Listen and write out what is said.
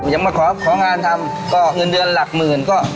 ยังมาของานทำก็เงินเดือนหลักหมื่นก็